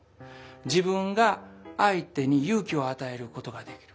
自分が相手に勇気をあたえることができる。